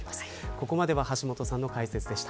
ここまでは橋本さんの解説でした。